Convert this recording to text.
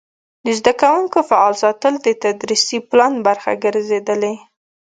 د زده کوونکو فعال ساتل د تدریسي پلان برخه ګرځېدلې.